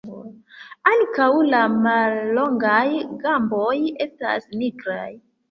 Ankaŭ la mallongaj gamboj estas nigraj.